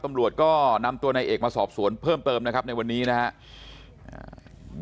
ตำรวจก็นำตัวนายเอกมาสอบสวนเพิ่มเติมนะครับในวันนี้นะครับ